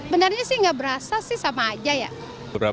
benarnya sih nggak berasa sih sama aja ya